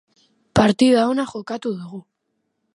Partida ona jokatu dugu.